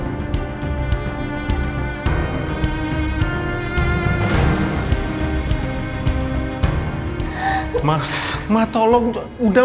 primus kalimah berdiri